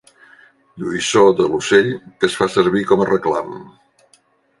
Lluïssor de l'ocell que es fa servir com a reclam.